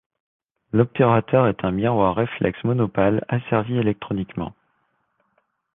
L'obturateur est un miroir reflex monopale asservi électroniquement.